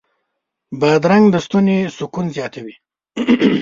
بادرنګ د ستوني سکون زیاتوي.